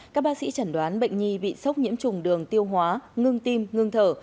các bác sĩ chẩn đoán bệnh nhi bị sốc nhiễm trùng đường tiêu hóa ngưng tim ngưng thở